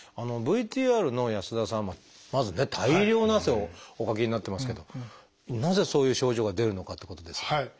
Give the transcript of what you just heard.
ＶＴＲの安田さんはまずね大量の汗をおかきになってますけどなぜそういう症状が出るのかってことですが。